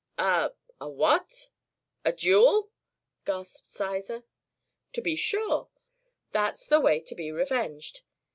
"A a what? A duel!" gasped Sizer. "To be sure. That's the way to be revenged.